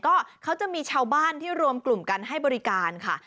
ก็เขาจะมีชาวบ้านที่รวมกลุ่มกันให้บริการค่ะ